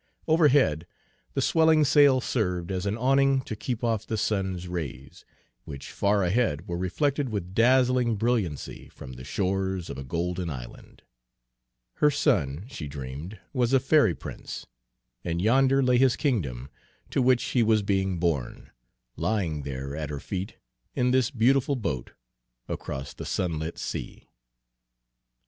Overhead the swelling sail served as an awning to keep off the sun's rays, which far ahead were reflected with dazzling brilliancy from the shores of a golden island. Her son, she dreamed, was a fairy prince, and yonder lay his kingdom, to which he was being borne, lying there at her feet, in this beautiful boat, across the sunlit sea.